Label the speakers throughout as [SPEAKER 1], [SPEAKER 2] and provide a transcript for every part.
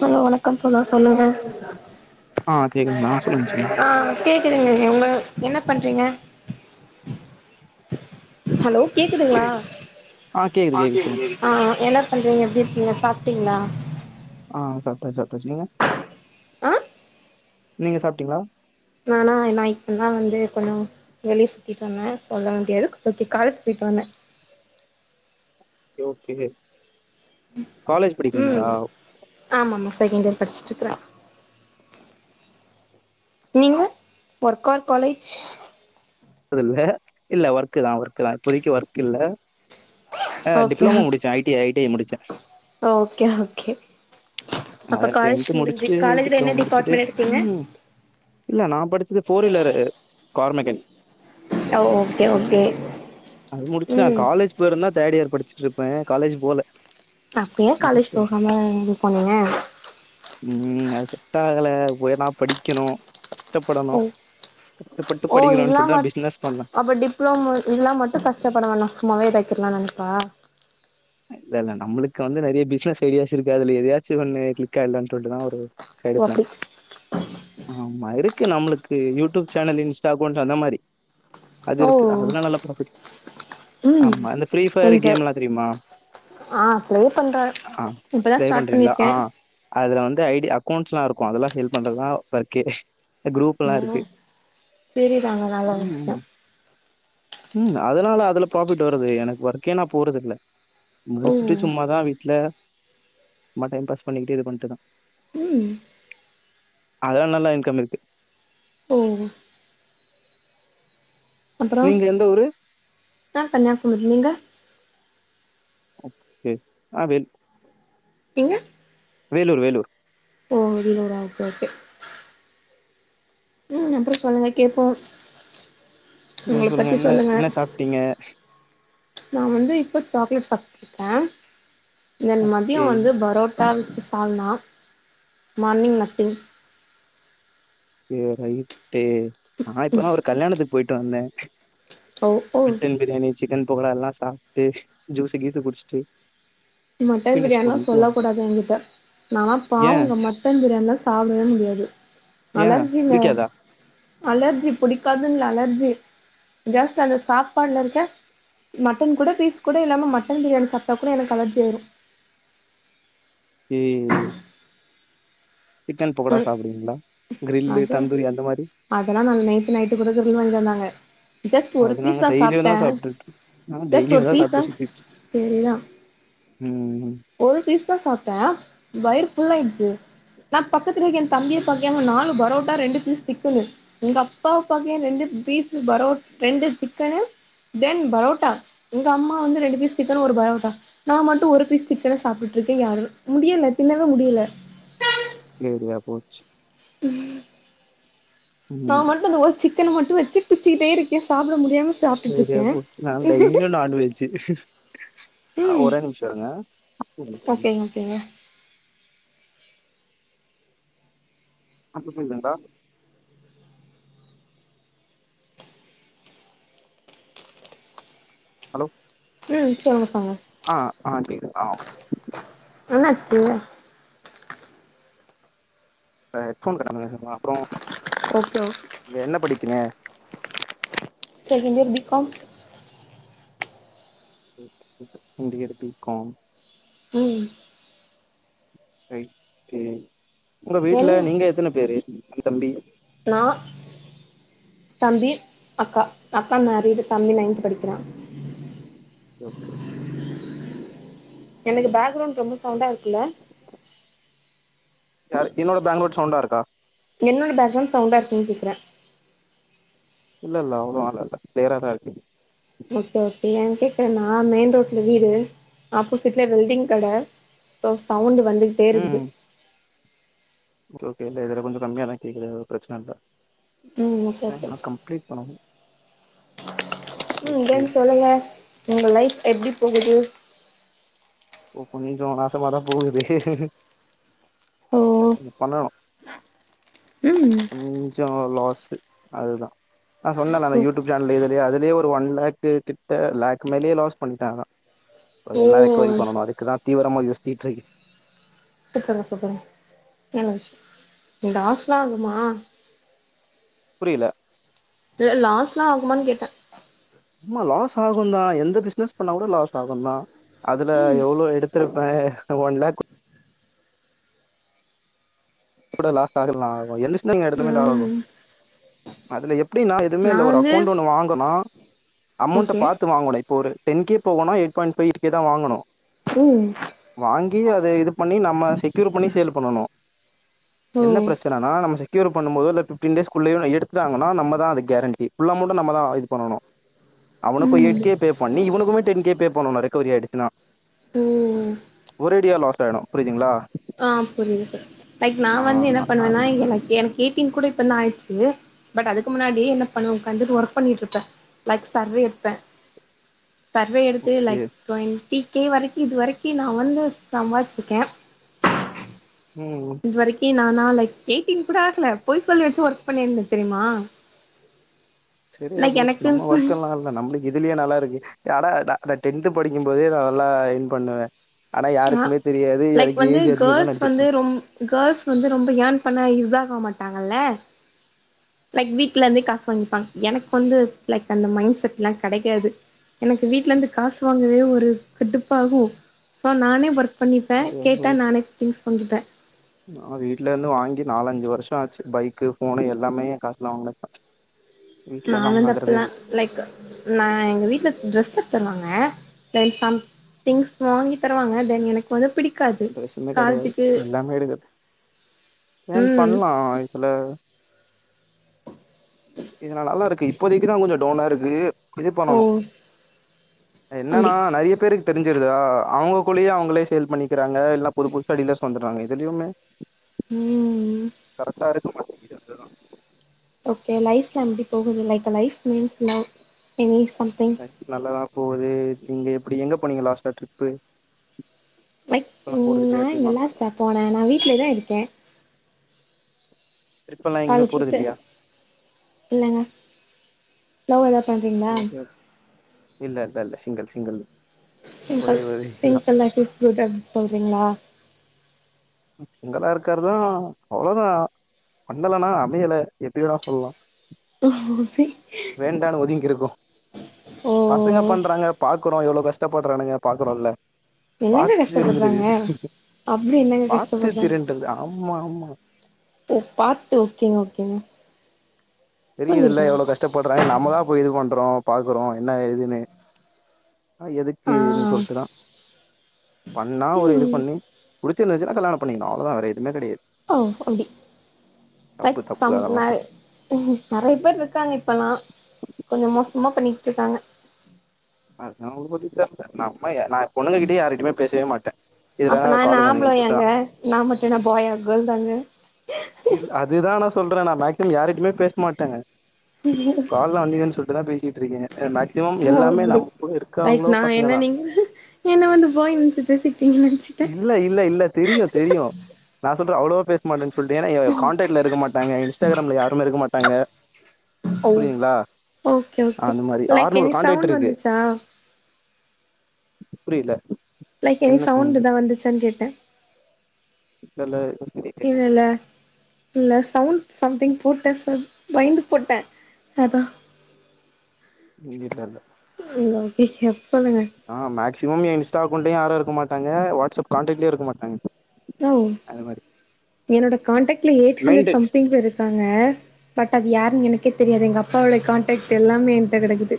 [SPEAKER 1] Hello வணக்கம் தோழா சொல்லுங்க
[SPEAKER 2] ஆ கேக்குதுங்களா? சொல்லுங்க, சொல்லுங்க.
[SPEAKER 1] ஆ கேக்குதுங்க உங்க என்ன பண்றீங்க ஹலோ கேக்குதுங்களா
[SPEAKER 2] கேக்குது,
[SPEAKER 1] ஆ
[SPEAKER 2] கேக்குது. சொல்லுங்க.
[SPEAKER 1] என்ன பண்றீங்க எப்டி இருக்கீங்க சாப்ட்டீங்களா
[SPEAKER 2] ஆ சாப்ட்டாச்சு சாப்ட்டாச்சு நீங்க
[SPEAKER 1] ஆ
[SPEAKER 2] நீங்க சாப்பிட்டீங்களா
[SPEAKER 1] நானா நா இப்ப தா வந்து கொஞ்சோ வெளிய சுத்திட்டு வந்தே சொல்ல முடியாது ஒருத்தி காலேஜ் சுத்திட்டு வந்தே
[SPEAKER 2] செரி ஓகே காலேஜ் படிக்கிறீங்களா?
[SPEAKER 1] ம் ஆமாமா செகெண்ட் இயர் படிச்சுட்ருக்றா நீங்க ஒர்க் ஆர் காலேஜ்
[SPEAKER 2] அது இல்ல இல்ல ஒர்க்குதா ஒர்க்குதா இப்போதிக்கு ஒர்க்கு இல்ல ஆ
[SPEAKER 1] ஓகே
[SPEAKER 2] டிப்ளமோ முடிச்ச I T I T I முடிச்ச
[SPEAKER 1] ஓகே ஓகே
[SPEAKER 2] அ
[SPEAKER 1] அப்ப காலேஜ்
[SPEAKER 2] டென்த்து
[SPEAKER 1] முடிஞ்சு
[SPEAKER 2] முடிச்சுட்டு
[SPEAKER 1] காலேஜ்ல
[SPEAKER 2] டிப்ளமோ
[SPEAKER 1] என்ன
[SPEAKER 2] முடிச்சுட்டு
[SPEAKER 1] டிபார்ட்மெண்ட் எடுத்தீங்க
[SPEAKER 2] ம் இல்ல நா படிச்சது ஃபோர் வீலரு கார் மெக்கானிக்
[SPEAKER 1] அ ஓகே ஓகே
[SPEAKER 2] அது முடிச்சுட்ட
[SPEAKER 1] ம்
[SPEAKER 2] காலேஜ் போயிருந்தா தேர்ட் இயர் படிச்சுட்டு இருப்ப காலேஜ் போல
[SPEAKER 1] அப்பயே காலேஜ்
[SPEAKER 2] இன்ட்ரெஸ்ட் இல்ல.
[SPEAKER 1] போகாம இது போனீங்க
[SPEAKER 2] உம் அது செட் ஆகல போயனா படிக்கணோ கஷ்டப்படணோ கஷ்டப்பட்டு படிக்கறோன்டு
[SPEAKER 1] ஆமா அப்ப டிப்ளோமோ இதுல்லா மட்டு கஷ்டப்பட வேணா சும்மாவே இதாக்கிறலானு நெனப்பா
[SPEAKER 2] இல்ல இல்ல நம்பளுக்கு வந்து நெறைய பிசினஸ் ஐடியாஸ் இருக்கு அதுல எதயாச்சு ஒண்ணு கிளிக் ஆய்டலானு சொல்ட்டுதா ஒரு
[SPEAKER 1] ஓ
[SPEAKER 2] சைடுப்ன
[SPEAKER 1] அப்டி
[SPEAKER 2] ஆமா இருக்கு நம்மளுக்கு யூடியூப் சேனல் இன்ஸ்டா அக்கவுண்ட் அந்த மாரி அது
[SPEAKER 1] ஓ
[SPEAKER 2] இருக்கு. அதுலா நல்லா ப்ராஃபிட்.
[SPEAKER 1] ம்
[SPEAKER 2] ஆமா இந்த ஃப்ரீ ஃபயர்
[SPEAKER 1] என்ஜாய்
[SPEAKER 2] கேம்ல்லா தெரியுமா
[SPEAKER 1] ஆ ப்ளே பண்ற.
[SPEAKER 2] ஆ
[SPEAKER 1] இப்பதா
[SPEAKER 2] ப்ளே
[SPEAKER 1] ஸ்டார்ட்
[SPEAKER 2] பண்றீங்களா?
[SPEAKER 1] பண்ணிர்க்கே
[SPEAKER 2] ஆ அதுல வந்து ஐடி அக்கௌண்ட்ஸ்ல்லா இருக்கு. அதெல்லா சேல் பண்றதுதா வர்க்கே. குரூப்ல்லா இருக்கு.
[SPEAKER 1] ம் சேரிதாங்க நல்ல ஒரு
[SPEAKER 2] ஆமீ
[SPEAKER 1] விஷ்யோ
[SPEAKER 2] ஆமா ம் அதுனால அதுல ப்ராபிட் வருது. எனக்கு வர்க்கே நா போறது இல்ல.
[SPEAKER 1] ஓ
[SPEAKER 2] முடுச்சுட்டு சும்மாதா வீட்ல சும்மா டைம் பாஸ் பண்ணிட்டே இது பண்ணிட்டு தா.
[SPEAKER 1] ம்
[SPEAKER 2] அதுலா நல்லா இன்கம் இருக்கு.
[SPEAKER 1] ஓ அப்பறோ
[SPEAKER 2] நீங்க எந்த ஊரு?
[SPEAKER 1] நா கன்யாகுமரி நீங்க
[SPEAKER 2] ஓகே நா வே
[SPEAKER 1] எங்க
[SPEAKER 2] வேலூர் வேலூர்
[SPEAKER 1] ஓ வெளியூரா ஓகே ஓகே ம் அப்றோ சொல்லுங்க கேப்போ
[SPEAKER 2] நீங்க
[SPEAKER 1] உங்கள
[SPEAKER 2] சொல்லுங்க
[SPEAKER 1] பத்தி
[SPEAKER 2] என்ன என்ன சாப்ட்டிங்க
[SPEAKER 1] நா வந்து இப்ப சாக்லேட் சாப்ட்ருக்க தென் மதியோ
[SPEAKER 2] ஓகே,
[SPEAKER 1] வந்து parotta with salna morning நட்டு
[SPEAKER 2] ஏ ரைட்டு நா இப்பதா ஒரு கல்யாணத்துக்கு போயிட்டு வந்த
[SPEAKER 1] ஓ ஓ
[SPEAKER 2] மட்டன் பிரியாணி சிக்கன் போகோடா எல்லா சாப்ட்டு ஜூஸு கீசு குடிச்ட்டு
[SPEAKER 1] மட்டன் பிரியாணிலா சொல்ல
[SPEAKER 2] வந்துட்டோம்.
[SPEAKER 1] கூடாது எங்கிட்ட நாலா
[SPEAKER 2] ஏன்?
[SPEAKER 1] பாவங்க ம டன் பிரியாண்லா சாப்டவே முடியாது.
[SPEAKER 2] ஏன்?
[SPEAKER 1] அலர்ஜிங்க
[SPEAKER 2] புடிக்காதா?
[SPEAKER 1] அலர்ஜி பிடிக்காதுன் இல்ல. அலர்ஜி. ஜஸ்ட் அந்த சாப்பாட்ல இருக்க மட்டன் கூட பீஸ் கூட இல்லாம மட்டன் பிரியாணி சாப்ட்டா கூட எனக்கு அலர்ஜி ஆயிரு.
[SPEAKER 2] ஏ சிக்கன் பக்கோடா சாப்புடுவீங்களா கிரில்லு
[SPEAKER 1] அது
[SPEAKER 2] தந்தூரி அந்த மாரி
[SPEAKER 1] அதெல்லா நானு நேத்து நைட்டு கூட விருந்தாளிங்க வந்தாங்க ஜஸ்ட் ஒரு
[SPEAKER 2] அது நாங்க
[SPEAKER 1] பீஸ்தா
[SPEAKER 2] டெய்லியும்
[SPEAKER 1] சாப்ட்ட.
[SPEAKER 2] தான் சாப்ட்டுட்டு நாங்க
[SPEAKER 1] ஜஸ்ட்
[SPEAKER 2] டெய்லியும்
[SPEAKER 1] ஒரு
[SPEAKER 2] தான்
[SPEAKER 1] பீஸா
[SPEAKER 2] சாப்ட்டு சுத்திட்டு
[SPEAKER 1] சேரியா
[SPEAKER 2] ம்
[SPEAKER 1] ஒரு பீஸ் தா சாப்ட்ட. வயிறு ஃபுல் ஆயிடுச்சு. நா பக்கத்துல இருக்க எ தம்பிய பாக்யே அவ நாலு பரோட்டா ரெண்டு பீஸ் திக்குனு எங்க அப்பாவ பாக்கயே ரெண்டு பீஸ்சு பரோட் ரெண்டு சிக்கெனு தென் பரோட்டா எங்க அம்மா வந்து ரெண்டு பீஸ் சிக்கன் ஒரு பரோட்டா. நா மட்டு ஒரு பீஸ் சிக்கன சாப்டுட்டு இருக்கே யாரு முடியல தின்னவே முடியல.
[SPEAKER 2] நெறியா போச்சு
[SPEAKER 1] ம் நா
[SPEAKER 2] ம்.
[SPEAKER 1] மட்டு அந்த ஒரு சிக் சிக்கென மட்டு வெச்சு பிச்சீட்டே இருக்கே சாப்ட முடியாம
[SPEAKER 2] செரியா
[SPEAKER 1] சாப்ட்டுட்ருக்கே
[SPEAKER 2] போச்சு. நா டெய்லியு நான்வெஜ்ஜூ ஆ
[SPEAKER 1] ம்
[SPEAKER 2] ஒரே நிமிஷொ இருங்க [inaudible]
[SPEAKER 1] ஓகேங்க ஓகேங்க
[SPEAKER 2] அந்தசைடு தானக்கா ஹலோ
[SPEAKER 1] ம் சொல்லுங்க சொல்லுங்க
[SPEAKER 2] ஆ ஆ கேக்குது ஆ
[SPEAKER 1] என்ன ஆச்சு
[SPEAKER 2] ஆ ஹெட்போன் கட் ஆனது சொ ப அப்றோ
[SPEAKER 1] ஓகே ஓகே
[SPEAKER 2] நீங்க என்ன படிக்கிங்க
[SPEAKER 1] செகெண்ட் இயர் பீ காம்
[SPEAKER 2] ம் ம் செகென்ட் இயர் பீ காம்
[SPEAKER 1] ம்
[SPEAKER 2] ரைட்டு உங்க வீட்ல
[SPEAKER 1] என்ன
[SPEAKER 2] நீங்க எத்தென பேரு ஆ தம்பி
[SPEAKER 1] நா தம்பி அக்கா அக்கா மெரீட் தம்பி நைன்த் படிக்கிறா
[SPEAKER 2] ஓகே
[SPEAKER 1] எனக்கு பேக்ரவுண்ட் ரொம்ப சவுண்டா இருக்குல்ல
[SPEAKER 2] யாரு என்னோட பெக்ரவுன் சவுண்டா இருக்கா
[SPEAKER 1] என்னோட பேக்ரவுண்ட் சண்வுடாருகான்னு கேக்கறே
[SPEAKER 2] இல்ல இல்ல அவளவால்லா இல்ல கிளியரா தா இருக்கு
[SPEAKER 1] ஓகே ஓகே ஏ கேட்கறேண்ணா மெயின் ரோட்ல வீடு ஆப்போசிட்ல வெல்டிங் கட சோ சவுண்டு வந்துகிட்டே
[SPEAKER 2] ம்
[SPEAKER 1] இருக்குது
[SPEAKER 2] ஓகே ஓகே இதுல கொஞ்சோ கம்மியா தா கேக்குது பிரச்சன இல்ல
[SPEAKER 1] ம் ஓகே ஓகே
[SPEAKER 2] பேசலா கம் கிளிக் பண்ணணு
[SPEAKER 1] ம் கேக்குது சொல்லுங்க உங்க லைஃப் எப்டி போகுது
[SPEAKER 2] ஓ கொஞ்சோ நாசமாதா போகுது
[SPEAKER 1] ஓ
[SPEAKER 2] [unintelligible]
[SPEAKER 1] ம்
[SPEAKER 2] கொஞ்சோ லாஸ் அதுதா நா சொன்னேன்ல அந்த
[SPEAKER 1] சூ
[SPEAKER 2] யூடியூப் ஜால் இதுலயே அதுலயே ஒரு ஒன் லேக் கிட்ட லேக் மேலெயே லாஸ் பண்ணிட்டே ஆனா
[SPEAKER 1] ஓ
[SPEAKER 2] அதெல்லா ரெக்கவரி பண்ணணு அதுக்குதா தீவெரமா யோசுச்சிட்ருக்கே
[SPEAKER 1] சுத்துங்க சுத்துங்க ம் லாஸ்லா ஆகுமா
[SPEAKER 2] புரில
[SPEAKER 1] இல்ல லாஸ்ல்லா ஆகுமான் கேட்டே
[SPEAKER 2] ஆமா லாஸ் ஆகுந்தா எந்த பிசினஸ் பண்ணா கூட லாஸ் ஆகுந்தா அதுல
[SPEAKER 1] ம்
[SPEAKER 2] எவ்வளோ எடுத்திருப்பே ஒன் லேக் கூட லாஸ் ஆகலாம் ஆகும் எல்லிஸ்ல எடுத்தமே லோ ஆகும்
[SPEAKER 1] ம்
[SPEAKER 2] அதுல எப்டின்னா எதுமே
[SPEAKER 1] நா
[SPEAKER 2] இல்ல ஒரு
[SPEAKER 1] வந்து
[SPEAKER 2] அக்கௌண்ட் ஒண்ணு வாங்கனா அமௌண்ட்ட
[SPEAKER 1] ஓகே
[SPEAKER 2] பாத்து வாங்கணு இப்ப ஒரு டென் கே போகுண்ணா எயிட் பாய்ண்ட் ஃபைவ் கே தா வாங்கணு
[SPEAKER 1] ம்
[SPEAKER 2] வாங்கி அத இது பண்ணி நம்ம செக்யூர் பண்ணி சேல் பண்ணணு
[SPEAKER 1] ஓ
[SPEAKER 2] என்ன பிரச்சனன்னா நம்ம செக்யூர் பண்ணும் போது இல்ல ஃபிப்டீன் டேஸ்குள்ளயோ எடுத்துட்டாங்கன்னா நம்ம தா அதுக்கு கேரண்டி ஃபுல் அமொண்டும் நம்ம தா இது பண்ணணு அவனுக்கும் எயிட்
[SPEAKER 1] ம்
[SPEAKER 2] கே பே பண்ணு இவனுக்குக்குமே டென் கே பே பண்ணணு ரெக்கவரி ஆயிடுத்துன்னா
[SPEAKER 1] ஓ
[SPEAKER 2] ஒரே அடியா லாஸ் ஆயிடும் புரியுதுங்களா
[SPEAKER 1] ஆ புரியுது சார் லைக் நா
[SPEAKER 2] ஆ
[SPEAKER 1] வந்து என்ன
[SPEAKER 2] அந்
[SPEAKER 1] பண்ணுவேன்னா எனக்கு எனக்கு ஏய்ட்டின் கூட இப்பந்தா ஆயிடுச்சு பட் அதுக்கு முன்னாடியே என்ன பண்ணுவ உட்காந்துட்டு ஒர்க் பண்ணிட்டு இருப்பே லைக் சர்வே எடுப்பே சர்வே எடுத்து
[SPEAKER 2] ஓகே
[SPEAKER 1] லைக் டுவெண்ட்டிகே வரைக்கி இது வரைக்கி நா வந்து சம்பாதிச்சிருக்கே
[SPEAKER 2] ம்
[SPEAKER 1] இது வரைக்கும் நானா லைக் எய்ட்டீன்னு கூட ஆகல போய் சொல்லி வெச்சு ஒர்க் பண்ணிருந்தே தெரியுமா
[SPEAKER 2] சரியா
[SPEAKER 1] லைக்
[SPEAKER 2] போச்சு நம்ம
[SPEAKER 1] எனக்குன் சொல்
[SPEAKER 2] ஒர்க்கல்லா நம்மளுக்கு இதுலயே நல்லா இருக்கு ஆடா டென்த் படிக்கும் போதே நா நல்லா எர்ன் பண்ணுவே ஆனா
[SPEAKER 1] ஆ
[SPEAKER 2] யாருக்குமே தெரியாது எனக்கு ஏஜ் அதிகந்தா நெனச்சிட்டு
[SPEAKER 1] கேள்ஸ் வந்து ரொம்ப ஏன் பண்ணா இதாக மாட்டாங்கல்ல லைக் வீட்லர்ந்தே காஸ் வாங்கிப்பாங் எனக் வந்து லைக் அந்த மைண்ட் செட்லா கெடையாது எனக்கு வீட்லர்ந்து காஸ் வாங்கவே ஒரு கடுப்பாகு சோ நானே ஒர்க் பண்ணிப்பே
[SPEAKER 2] சரியா
[SPEAKER 1] கேட்டா நானே திங்ஸ் வாங்கிப்பே
[SPEAKER 2] நா வீட்லர்ந்து வாங்கி நாலஞ்சு வருஷோ ஆச்சு பைக்கு ஃபோனு எல்லாமே எ காஸ்ல வாங்னத் தா
[SPEAKER 1] நா வந்து அப்லா லைக்க நா எங்க வீட்ல ட்ரஸ் எட்த் தருவாங்க லை சம் திங்ஸ் வாங்கி தருவாங்க தென் எனக் வந்து பிடிக்
[SPEAKER 2] ட்ரஸ்ஸுனு கெடையாது எல்லாமே எடுக்கற் ஏன்
[SPEAKER 1] ம்
[SPEAKER 2] பண்லா இதுல இதுல நல்லாருக்கு இப்போதைக்கு தா கொஞ்சோ டவுனா இருக்கு இது
[SPEAKER 1] ஓ
[SPEAKER 2] பண்ணனு அது என்னன்னா
[SPEAKER 1] அப்டி
[SPEAKER 2] நெறைய பேருக் தெரிஞ்சுருதா அவுங்கக்குள்ளயே அவுங்களே சேல் பண்ணிக்கிறாங்க எல்லா புது புதுசா டீலர்ஸ் வந்தட்றாங்க இதுலியுமே
[SPEAKER 1] ம்
[SPEAKER 2] கரெக்ட்டா இருக்க மாட்டிக்குது அதுதா
[SPEAKER 1] ஓகே லைஃப்லா எப்டி போகுது லைக்க life means love any something
[SPEAKER 2] நல்லாதா போகுது நீங்க எப்பிடி எங்க போனீங்க லாஸ்ட்டா ட்ரிப்பு
[SPEAKER 1] லைக்
[SPEAKER 2] இப்பலாம் போறது இல்லையா
[SPEAKER 1] நான் எங்க
[SPEAKER 2] டீமா?
[SPEAKER 1] லாஸ்ட்டா போனே நா வீட்லே தா இருக்கே
[SPEAKER 2] ட்ரிப்பெல்லாம் எங்கயுமே போறது
[SPEAKER 1] காலசிப்பு
[SPEAKER 2] இல்லையா?
[SPEAKER 1] இல்லைங்க லவ் எதா பண்றீங்க
[SPEAKER 2] சேர் சேரி இல்ல இல்ல இல்ல சிங்கிள் சிங்கிள் ஒரே
[SPEAKER 1] சிங்க்கள்
[SPEAKER 2] ஒரு இதுதான்.
[SPEAKER 1] சிங்க்கள் லைஃப் இஸ் குட் அப்டின் சொல்றீங்களா
[SPEAKER 2] ம் சிங்களா இருக்கற் தா அவ்ளோதா பண்ணலனா அமையல எப்டி வேணா சொல்லா
[SPEAKER 1] [inaudible]
[SPEAKER 2] வேண்டானு ஒதுங்கிருக்கோ பசங்க
[SPEAKER 1] ஓ
[SPEAKER 2] பண்றாங்க பாக்குறோ எவ்ளோ கஷ்டப்பட்றானுங்க பாக்குறோல்ல
[SPEAKER 1] என்னங்க
[SPEAKER 2] பாத் தெரிஞ்சிடுது
[SPEAKER 1] கஷ்டப்படுறாங்க அப்டி என்ன
[SPEAKER 2] பாத்து திருண்டர்து ஆமா ஆமா
[SPEAKER 1] ஓ பாத்து ஓகேங் ஓகேங்க
[SPEAKER 2] தெரியிதுல்ல
[SPEAKER 1] புரிஞ்சுக்கிட்டேங்க
[SPEAKER 2] எவ்ளோ கஷ்டப்பட்றாங்க நம்ம தா போய் இது பண்றோ பாக்குறோ என்ன ஏதுன்னு ஆ எதுக்குன் சொல்ட்டுதா பண்ணா ஒரு இது
[SPEAKER 1] ம்
[SPEAKER 2] பண்ணி புடிச்சிருந்துச்சின்னா கல்யாண பண்ணிக்கனு அவ்ளோ தா வேற எதுமே கெடையாத்
[SPEAKER 1] ஓ அப்டி
[SPEAKER 2] தப்பு
[SPEAKER 1] பட்
[SPEAKER 2] தப்பு
[SPEAKER 1] சம்
[SPEAKER 2] அதெல்லா
[SPEAKER 1] நை
[SPEAKER 2] தப்பு
[SPEAKER 1] நெறைய பேர்ருக்காங்க இப்பெல்லா கொஞ்சோ மோசமா பண்ணிக்ட்ருக்காங்க
[SPEAKER 2] மத்தவங்கள பத்தி தெர்ல நம்ம எ நா பொண்ணுங்க கிட்டயே யாரிட்டயுமே பேசவே மாட்டே இதுல
[SPEAKER 1] அப்போ நா என்ன
[SPEAKER 2] காலுக்கு வந்தீங்கன்னு சொல்ட்டுதா
[SPEAKER 1] ஆம்பளயாங்க நா மட்டு என்ன பாயா கேள்தாங்க
[SPEAKER 2] இல் அதுதா நா சொல்ற நா மேக்ஸ்மம் யாரிட்டயுமே பேஸ் மாட்டங்க
[SPEAKER 1] [inaudible]
[SPEAKER 2] கால்ல வந்தீங்கன் சொல்ட்டுதா பேசிட்ருக்கங்க அ மேக்சிமம்
[SPEAKER 1] ஓ
[SPEAKER 2] எல்லாமே
[SPEAKER 1] அப்டி
[SPEAKER 2] நம்ம கூட
[SPEAKER 1] லைக்
[SPEAKER 2] இருக்கவ்ங்களு
[SPEAKER 1] நா
[SPEAKER 2] பசங்க
[SPEAKER 1] என்ன
[SPEAKER 2] தா
[SPEAKER 1] நீங்க என்ன வந்து பாய்ன் நெனச்சு பேசிட்ருக்கீங்கன் நெனச்சிட்டே
[SPEAKER 2] இல்ல இல்ல இல்ல தெரியு தெரியு நா சொல்ற அவ்ளோ பேஸ் மாட்டனு சொல்ட்டு ஏனா எ காண்டெக்ட்ல இருக்க மாட்டாங்க இன்ஸ்டாக்ராம்ல யாருமே இருக்க மாட்டாங்க
[SPEAKER 1] ஓ
[SPEAKER 2] புரிதுங்களா
[SPEAKER 1] ஓகே ஓகே
[SPEAKER 2] அந்த மாரி
[SPEAKER 1] லைக்
[SPEAKER 2] ஆருநூறு
[SPEAKER 1] எனி சவுண்ட்
[SPEAKER 2] கான்ட்ராக்ட்ருக்கு
[SPEAKER 1] வந்துச்சா
[SPEAKER 2] புரியல
[SPEAKER 1] லைக் எனி
[SPEAKER 2] என்ன
[SPEAKER 1] சவுண்ட்
[SPEAKER 2] சவுண்டு?
[SPEAKER 1] தா வந்துச்சான்னு கேட்டே
[SPEAKER 2] இல்ல இல்ல
[SPEAKER 1] இல்ல
[SPEAKER 2] [inaudible]
[SPEAKER 1] இல்ல இல்ல சவுண்ட் சம்திங் போட்ட ச பயந்து புட்ட அதா
[SPEAKER 2] [unintelligible] தெர்ல
[SPEAKER 1] ல்ல ஓகே கட்பண்ணுங்க
[SPEAKER 2] ஆ மேக்சிமம் எ இன்ஸ்டா அக்வுண்டயு யாரு இருக்கமாட்டாங்க வாட்ஸ்அப் கான்ட்லியு இருக்க மாட்டாங்
[SPEAKER 1] ம் என்னோட
[SPEAKER 2] ஆமா.
[SPEAKER 1] காண்டக்ட்ல எயிட் ஹண்ட்ரட்
[SPEAKER 2] மெயின்டென்
[SPEAKER 1] சம்திங் இருக் காங்க பட் அது யாருன் எனக்கே தெரியாது எங்க அப்பாவுடைய கான்டக்ட் எல்லாமே என்ட்ட கெடக்குது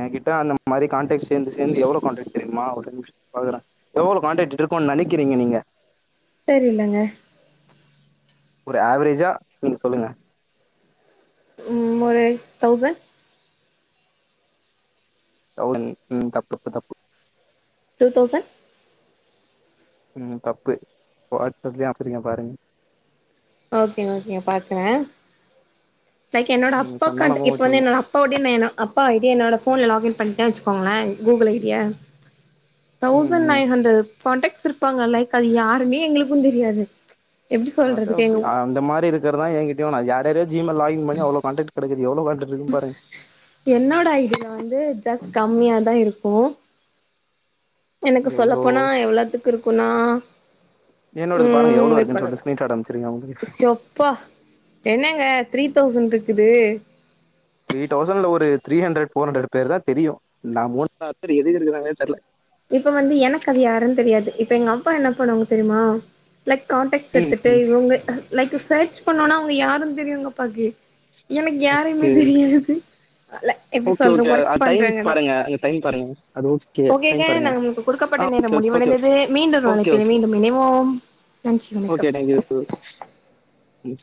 [SPEAKER 2] எ கிட்ட அந்த மாரி கான்டக்ட் சேந்து சேந்து எவ்ளோ காண்டெக்ட் தெரியுமா ஒரு நிம்ஷ பாக்குறே எவ்ளோ காண்டக்ட் இருக்கோன்னு நெனக்கிறீங்க நீங்க
[SPEAKER 1] தெரிலங்க
[SPEAKER 2] ஒரு ஆவரேஜா நீங்க சொல்லுங்க
[SPEAKER 1] ம் ஒரு தௌசண்ட்
[SPEAKER 2] தௌசண்ட் ம் தப்பு தப்பு
[SPEAKER 1] டூ தௌசண்
[SPEAKER 2] ம் தப்பு வாட்ஸ்அப்லயே அனுப்ச்சிருக்க பாருங்க
[SPEAKER 1] ஓகே ஓகே பாக்குற லைக் என்னோட
[SPEAKER 2] நீங்க
[SPEAKER 1] அப்பா
[SPEAKER 2] சொன்னா
[SPEAKER 1] காண்ட
[SPEAKER 2] நம்ப
[SPEAKER 1] இப்போ வந்து
[SPEAKER 2] மாட்டீங்க.
[SPEAKER 1] என்னோட அப் பாவுடிய வேணா அப்பா ஐடிய நா என்னோட ஃபோன்ல லாகின் பண்டே வெச் கோங்களே கூகுள் ஐ டியா
[SPEAKER 2] ம்
[SPEAKER 1] தௌசண்ட்
[SPEAKER 2] ம்.
[SPEAKER 1] நைன் ஹண்ட்ரட் கான்டக்ட்ஸ் இருப்பாங்க லைக் அது யாருனே எங்ளுக்கு தெரியாது எப்டி
[SPEAKER 2] அது
[SPEAKER 1] சொல்றதுக்கு
[SPEAKER 2] அப்டி
[SPEAKER 1] எங்க
[SPEAKER 2] அந்த மாரி இருக்கறதா எங்கிட்டயு நா யார் யாரையோ ஜீ மெயில் லாகின் பண்ணி அவ்ளோ கான்டக்ட் கெடைக்குது எவ்ளோ கான்டக்ட் இருக்கு பாருங்க
[SPEAKER 1] என்னோட ஐடியில வந்து ஜஸ்ட் கம்மியாதா இருக்கு எனக்கு
[SPEAKER 2] எவ்ளோ
[SPEAKER 1] சொல்லப்போனா எவ்ளத்துக்கு இருக்குனா
[SPEAKER 2] என்னோடது பாருங்க எவ்ளோ இருக்குன் சொல்ட்டு ஸ்க்ரீன் ஷாட் அம்ச்சிருக்க உங்ளுக்கு
[SPEAKER 1] ப்பா என்னங்க த்ரீ தௌசண்ட் இருக்குது
[SPEAKER 2] த்ரீ தௌசண்ட்ல ஒரு த்ரீ ஹண்ட்ரட் ஃபோர் ஹண்ட்ரட் பேர்தா தெரியு நா மூணாயிற பேர் எதுக்கு இருக்குறாங்கனே தெர்ல
[SPEAKER 1] இப்ப வந்து எனக்கு அது யாருன் தெரியாது இப்ப எங்க அப்பா என்ன பண்ணுவாங்க தெரிமா லைக் காான்ட்டக்ட்ஸ்
[SPEAKER 2] ம்
[SPEAKER 1] எடுத்துட்டு
[SPEAKER 2] ம்
[SPEAKER 1] இவங்க லைக் சர்ச் பண்ணோனா அவங்க யாருன் தெரியு எங் கப்பாக்கு எனக்கு யாரையுமே
[SPEAKER 2] ஓகே
[SPEAKER 1] தெரியாது ல எப்டி
[SPEAKER 2] ஓகே
[SPEAKER 1] சொல்ற
[SPEAKER 2] ஓகே
[SPEAKER 1] ஒர்க்
[SPEAKER 2] அது
[SPEAKER 1] பண்றே
[SPEAKER 2] டைம்
[SPEAKER 1] எடோ
[SPEAKER 2] பாருங்க அந்த டைம் பாருங்க அது ஓகே டைம்
[SPEAKER 1] ஒகே
[SPEAKER 2] பாருங்க
[SPEAKER 1] நமங்கு கொடுக்கப்பட்ட
[SPEAKER 2] ஆ
[SPEAKER 1] நேரம்
[SPEAKER 2] ஓகே ஓகே ஓகே
[SPEAKER 1] முடிவடைந்தது மீண்டும் ஒரு
[SPEAKER 2] ஓகே
[SPEAKER 1] அழைப்பில
[SPEAKER 2] ஓகே
[SPEAKER 1] மீண்டும் இனைவோம் நன்றி வணக்கம்
[SPEAKER 2] ம் ம்